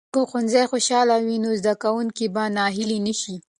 که ښوونځي خوشاله وي، نو زده کوونکي به ناهیلي نه شي.